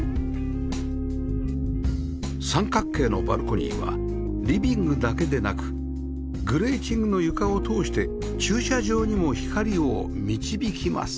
三角形のバルコニーはリビングだけでなくグレーチングの床を通して駐車場にも光を導きます